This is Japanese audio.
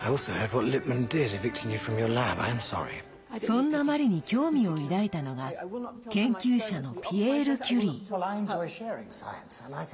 そんなマリに興味を抱いたのが研究者のピエール・キュリー。